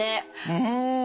うん。